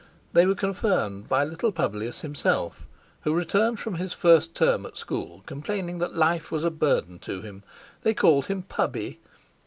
They were confirmed by little Publius himself who returned from his first term at school complaining that life was a burden to him—they called him Pubby.